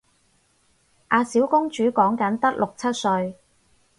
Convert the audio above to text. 阿小公主講緊得六七歲